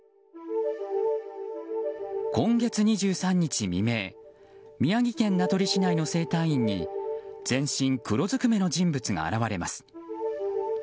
今月２３日未明宮城県名取市内の整体院に全身黒ずくめの人物が現れます。